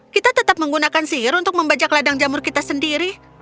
kita tetap menggunakan sihir untuk membajak ladang jamur kita sendiri